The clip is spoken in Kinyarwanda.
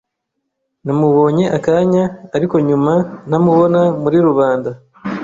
Namubonye akanya, ariko nyuma ntamubona muri rubanda.